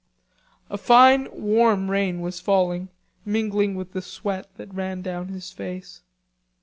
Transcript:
A fine warm rain was falling, mingling with the sweat that ran down his face.